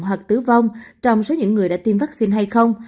hoặc tử vong trong số những người đã tiêm vaccine hay không